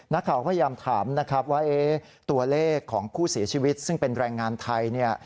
นักข่าวพยายามถามนะครับว่าตัวเลขของผู้เสียชีวิตซึ่งเป็นแรงงานไทยเนี่ย